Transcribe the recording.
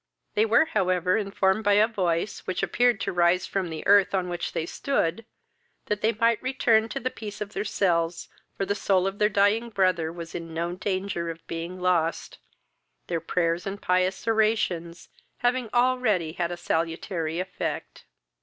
They were however informed by a voice, which appeared to rise from the earth on which they stood, that they might return to the peace of their cells, for the soul of their dying brother was in no danger of being lost, their prayers and pious oraisons having already had a salutary effect.